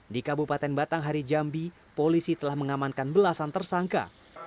di kabupaten batanghari jambi polisi telah mengamankan belasan tersangka